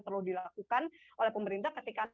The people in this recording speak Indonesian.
perlu dilakukan oleh pemerintah ketika